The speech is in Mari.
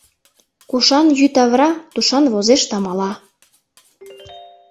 Кушан йӱд авыра, тушан возеш да мала.